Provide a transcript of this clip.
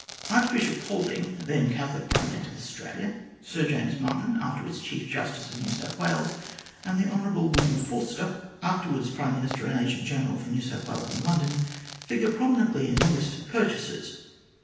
Archbishop Folding,, the then Catholic Primate of Australia ; Sir James Martin,, afterwards Chief Justice of New South Wales ; and the Hon. William Forster, afterwards Prime Minister and Agent General for New South Wales in London, figure prominently in the list of purchasers.